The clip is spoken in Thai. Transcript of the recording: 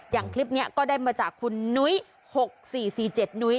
คลิปนี้ก็ได้มาจากคุณนุ้ย๖๔๔๗นุ้ย